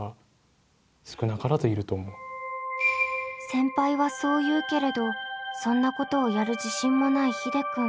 先輩はそう言うけれどそんなことをやる自信もないひでくん。